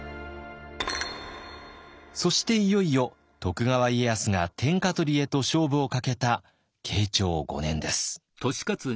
そしていよいよ徳川家康が天下取りへと勝負をかけた慶長５年です。